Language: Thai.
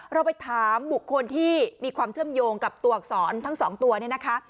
เราไปถามบุคคลที่มีความเชื่อมโยงกับตัวอักษรทั้งสองตัวเนี่ยนะคะ